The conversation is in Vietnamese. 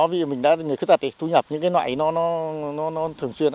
vì mình đã người khuyết tật thì thu nhập những cái loại nó thường xuyên